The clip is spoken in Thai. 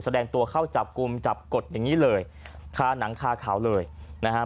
แสดงตัวเข้าจับกลุ่มจับกดอย่างนี้เลยคาหนังคาเขาเลยนะฮะ